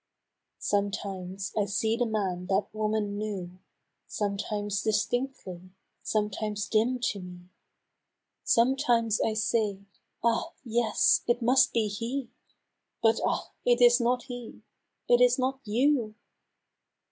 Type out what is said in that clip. Sometimes I see the man that woman knew. Sometimes distinctly — sometimes dim to me ; Sometimes I say, " Ah ! yes, it must be he !" But ah ! it is not he ! (it is not you